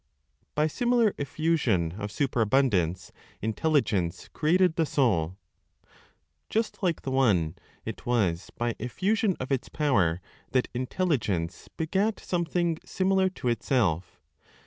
BY SIMILAR EFFUSION OF SUPERABUNDANCE INTELLIGENCE CREATED THE SOUL. Just like the One, it was by effusion of its power that Intelligence begat something similar to itself.